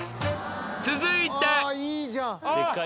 続いて